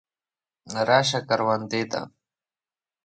راسه کروندې له.